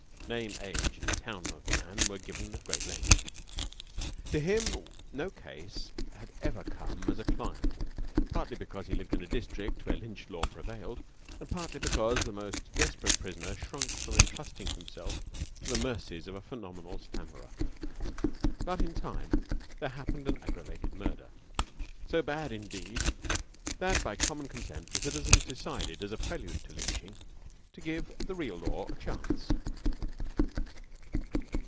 (Name, age, and town of the man were given at great length.) To him no case had ever come as a client, partly because he lived in a district where lynch law prevailed, and partly because the most desperate prisoner shrunk from intrusting himself to the mercies of a phenomenal stammerer. But in time there happened an aggravated murder so bad, indeed, that by common consent the citizens decided, as a prelude to lynching, to give the real law a chance.